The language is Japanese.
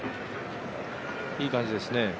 いい感じですね。